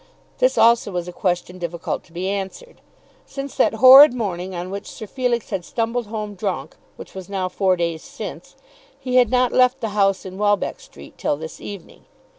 This also was a question difficult to be answered. Since that horrid morning on which Sir Felix had stumbled home drunk, which was now four days since, he had not left the house in Welbeck Street till this evening.